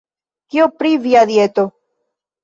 Kio pri via dieto?